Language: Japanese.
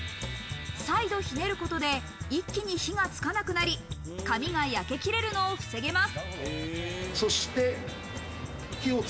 再度ひねることで一気に火がつかなくなり、紙が焼けきれるのを防ぎます。